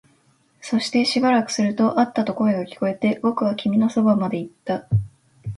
そしてしばらくすると、あったと声が聞こえて、僕は君のそばまで行った